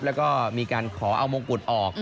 แล้วก็มีการขอเอามงกุฎออก